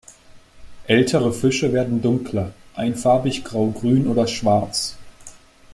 Ältere Fische werden dunkler, einfarbig graugrün oder schwarz.